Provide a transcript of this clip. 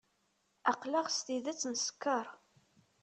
Aql-aɣ s tidet neskeṛ.